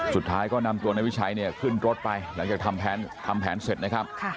สุดท้ายก็นำตัวนายวิชัยเนี่ยขึ้นรถไปหลังจากทำแผนเสร็จนะครับ